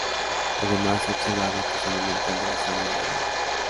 Además se ha observado que se alimentan de la sangre de gallinas.